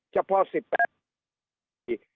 เฉพาะ๑๘ปี